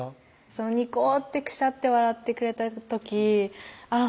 そのニコッてクシャッて笑ってくれた時あぁ